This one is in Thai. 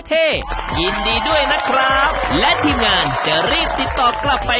ที่เศรษฐีป้ายแดงรุ่นยืดได้๑๘๐๑๙๐เซนติเซนเลยนะ